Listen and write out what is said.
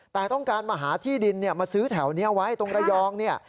แต่ต้องการมาหาที่ดินมาซื้อแถวนี้ไว้ตรงระยองเนี่ย